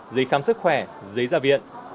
giấy khám sức khỏe giấy ra viện